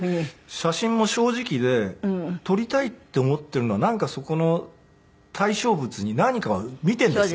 写真も正直で撮りたいって思っているのはなんかそこの対象物に何かを見ているんですよ。